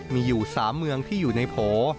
มีอยู่๓เมืองที่อยู่ในโผ